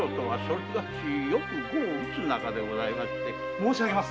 申し上げます。